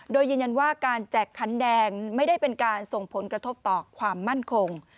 โดยยืนยันว่าการแจกขันแดงไม่ได้เป็นการส่งผลกระทบต่อความมั่นคง